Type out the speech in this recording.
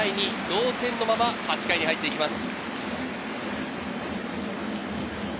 同点のまま８回に入ってきます。